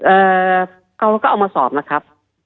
เอ่อเขาก็เอามาสอบนะครับ